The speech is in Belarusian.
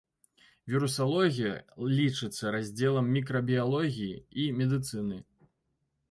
Вірусалогія лічыцца раздзелам мікрабіялогіі і медыцыны.